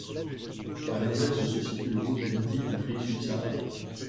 À l'inverse se situe le groupe des natifs d’Afrique subsaharienne.